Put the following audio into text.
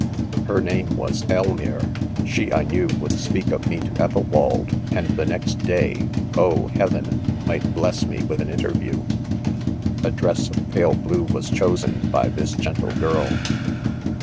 Her name was Elm ire; she, I knew, ..would speak of* me to Ethelwald, and the next day, oh! heaven !— might bless me with an interview, i A dress of pale blue was chosen by this gentle girl.